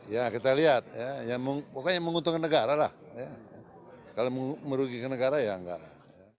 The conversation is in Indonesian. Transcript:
ya kita lihat pokoknya yang menguntungkan negara lah kalau merugikan negara ya nggak lah